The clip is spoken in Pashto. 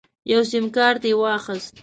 یو سیم کارت یې واخیست.